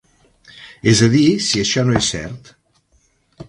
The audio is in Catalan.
És a dir si això no és cert.